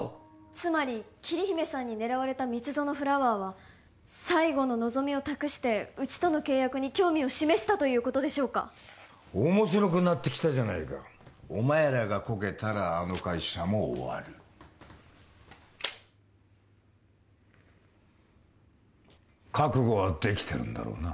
つまり桐姫さんに狙われた蜜園フラワーは最後の望みを託してうちとの契約に興味を示したということでしょうか面白くなってきたじゃないかお前らがコケたらあの会社も終わる覚悟はできてるんだろうな？